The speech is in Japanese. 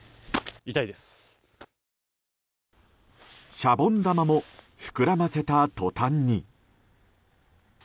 シャボン玉も膨らませたとたんに。